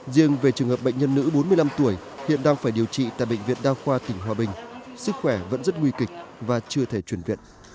riêng về trường hợp bệnh nhân nữ bốn mươi năm tuổi hiện đang phải điều trị tại bệnh viện đa khoa tỉnh hòa bình sức khỏe vẫn rất nguy kịch và chưa thể chuyển viện